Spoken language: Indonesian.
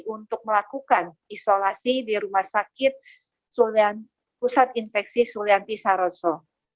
untuk melakukan isolasi di rumah sakit pusat infeksi sulianti saroso